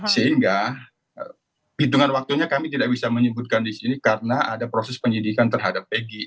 sehingga hitungan waktunya kami tidak bisa menyebutkan di sini karena ada proses penyidikan terhadap eg